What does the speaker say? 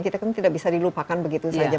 kita kan tidak bisa dilupakan begitu saja